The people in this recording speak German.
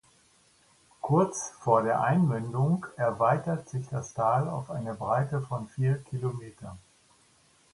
Kurz vor der Einmündung erweitert sich das Tal auf eine Breite von vier Kilometer.